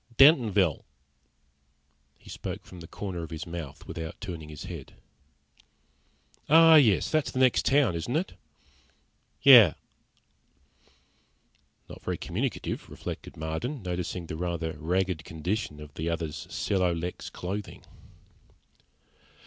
"Dentonville." He spoke from the corner of his mouth, without turning his head. "Oh, yes. That's the next town, isn't it?" "Yeah." Not very communicative, reflected Marden, noticing the rather ragged condition of the other's celo lex clothing.